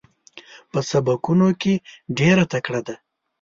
په سبقونو کې ډېره تکړه ده.